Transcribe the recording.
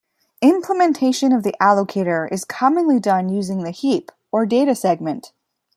Implementation of the allocator is commonly done using the heap, or data segment.